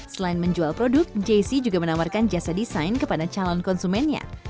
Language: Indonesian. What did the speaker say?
selain menjual produk jazzy juga menawarkan jasa desain kepada calon konsumennya